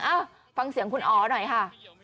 เอ้าฟังเสียงคุณอ๋อหน่อยค่ะ